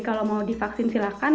kalau mau divaksin silahkan